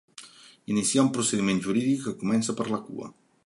Iniciar un procediment jurídic que comença per la cua.